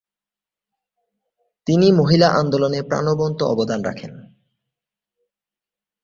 তিনি মহিলা আন্দোলনে প্রাণবন্ত অবদান রাখেন।